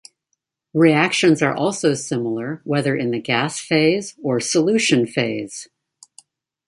Reactions are also similar whether in the gas phase or solution phase.